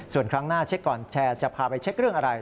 ส่วนครั้งหน้าเช็คก่อนแชร์จะพาไปเช็คเรื่องอะไร